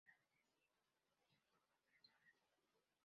El asedio duró tres horas.